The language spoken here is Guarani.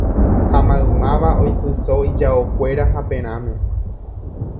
Ha maymáva oipyso ijaokuéra haperãme